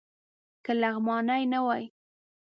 که لغمانی نه وای.